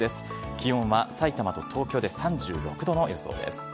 気温はさいたまと東京で３６度の予想です。